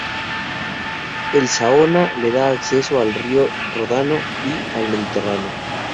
El Saona le da acceso al río Ródano y al Mediterráneo.